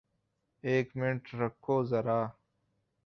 ایک منٹ رکو زرا